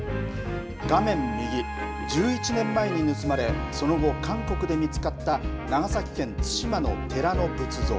画面右１１年前に盗まれその後、韓国で見つかった長崎県対馬の寺の仏像